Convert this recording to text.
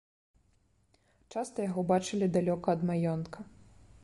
Часта яго бачылі далёка ад маёнтка.